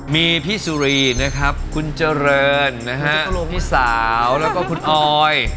มีพี่สุรีนะครับคุณเจริญนะฮะพี่สาวแล้วก็คุณออย